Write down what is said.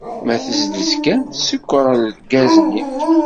Ma tezlez kan, sekkeṛ lgaz-nni.